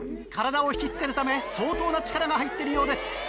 体を引き付けるため相当な力が入ってるようです。